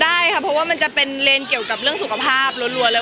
ได้ค่ะเพราะว่ามันจะเป็นเลนเกี่ยวกับเรื่องสุขภาพรัวเลย